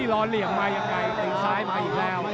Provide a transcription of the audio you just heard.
รอเหลี่ยมมายังไงมาแล้ว